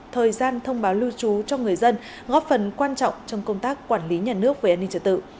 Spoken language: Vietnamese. thời gian thông báo lưu trú cho người dân góp phần quan trọng trong công tác quản lý nhà nước về an ninh trật tự